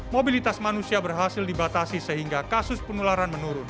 mobilitas manusia berhasil dibatasi sehingga kasus penularan menurun